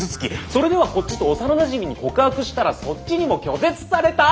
それではこっちと幼なじみに告白したらそっちにも拒絶された。